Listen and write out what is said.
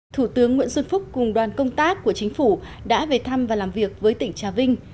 thủ tướng nguyễn xuân phúc cùng đoàn công tác của chính phủ đã về thăm và làm việc với tỉnh trà vinh